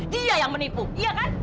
dia yang menipu iya kan